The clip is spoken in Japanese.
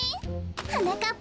はなかっ